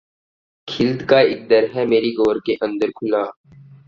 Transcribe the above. خلد کا اک در ہے میری گور کے اندر کھلا